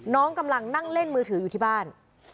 กำลังนั่งเล่นมือถืออยู่ที่บ้าน